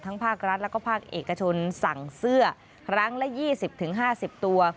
ภาครัฐแล้วก็ภาคเอกชนสั่งเสื้อครั้งละ๒๐๕๐ตัว